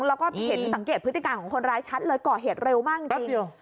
แล้วก็เห็นสังเกตพฤติการของคนร้ายชัดเลยก่อเหตุเร็วมากจริง